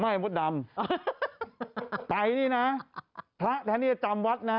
ผมไม่ให้มดดำไปนี่น่ะพระแท้นี่จะจำวัดน่ะ